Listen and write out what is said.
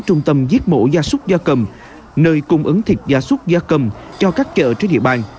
trung tâm giết mổ da súc da cầm nơi cung ứng thịt da súc da cầm cho các chợ trên địa bàn